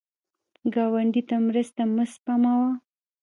ګاونډي ته مرسته مه سپموه